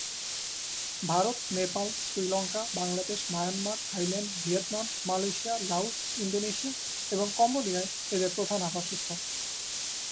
Bharat, Nepal, Sri Lanka, Bangladesh, Myanmar, Thailand, Vietnam, Malaysia, Laos, Indonesia এবং কম্বোডিয়ায় এদের প্রধান আবাসস্থল।